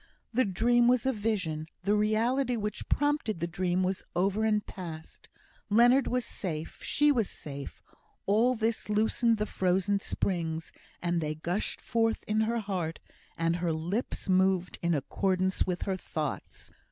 The dream was a vision; the reality which prompted the dream was over and past Leonard was safe she was safe; all this loosened the frozen springs, and they gushed forth in her heart, and her lips moved in accordance with her thoughts.